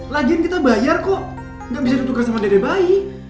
lagian kita bayar kok nggak bisa ditukar sama dede bayi